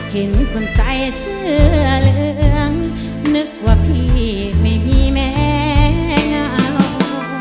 เห็นคนใส่เสื้อเหลืองนึกว่าพี่ไม่มีแม้เหงา